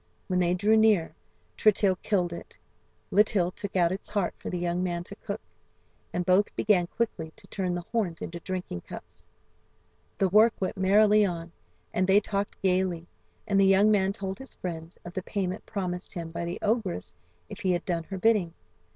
When they drew near, Tritill killed it, Litill took out its heart for the young man to cook, and both began quickly to turn the horns into drinking cups. The work went merrily on, and they talked gaily, and the young man told his friends of the payment promised him by the ogress if he had done her bidding.